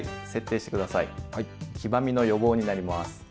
黄ばみの予防になります。